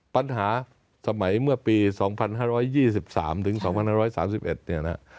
ปัญหาสมัยเมื่อปี๒๕๒๓ถึง๒๑๓๑เนี่ยนะ